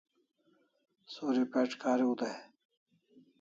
Suri pec' kariu dai